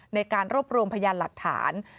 ในการรวบรวมพยานหลักฐาน